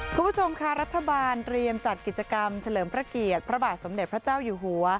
คุณผู้ชมค่ะรัฐบาลเตรียมจัดกิจกรรมเฉลิมพระเกียรติพระบาทสมเด็จพระเจ้าอยู่หัว